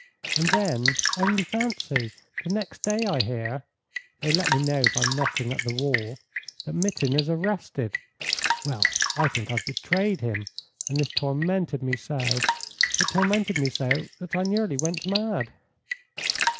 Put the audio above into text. "And then, only fancy, the next day I hear they let me know by knocking at the wall that Mitin is arrested. Well, I think I have betrayed him, and this tormented me so it tormented me so that I nearly went mad."